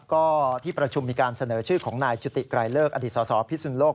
ก็ที่ประชุมมีการเสนอชื่อของนายจุติไกรเลิกอดีตสสพิสุนโลก